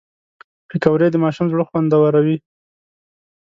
پکورې د ماشوم زړه خوندوروي